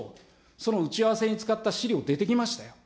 その打ち合わせに使った資料、出てきましたよ。